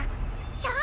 そう！